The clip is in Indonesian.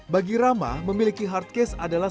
bagi rama memiliki hardcase adalah